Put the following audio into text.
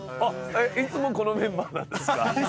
いつもこのメンバーなんですか？